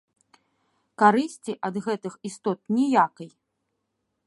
Карысці ад гэтых істот ніякай.